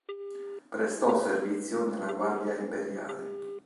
Prestò servizio nella Guardia imperiale.